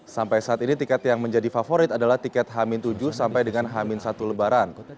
sampai saat ini tiket yang menjadi favorit adalah tiket hamin tujuh sampai dengan hamin satu lebaran